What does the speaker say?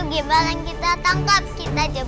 kami tetepi lagi